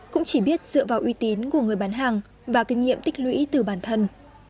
cũng chỉ biết dựa vào uy tín của người bán hàng và kinh nghiệm tích lũy từ bản thân